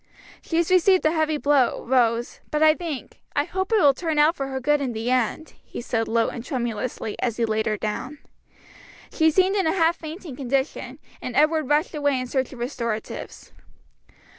"She has received a heavy blow, Rose, but I think I hope it will turn out for her good in the end," he said low and tremulously, as he laid her down. She seemed in a half fainting condition, and Edward rushed away in search of restoratives.